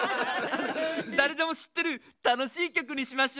だれでも知ってる楽しい曲にしましょう。